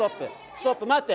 ストップ待って。